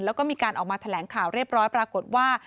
แล้วก็มีการออกมาแถลงข่าวเรียบร้อยปรากฏว่า